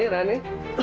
nih rani rani